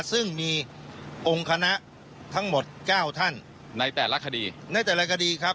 ซึ่งมีองค์คณะทั้งหมดเก้าท่านในแต่ละคดีในแต่ละคดีครับ